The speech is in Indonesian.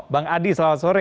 bang adi selamat sore